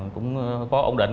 cũng có ổn định